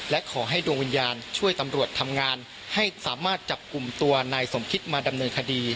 และขอให้ดวงวิญญาณช่วยตำรวจทำงานให้สามารถจับกลุ่มตัวนายสมคิดมาดำเนินคดี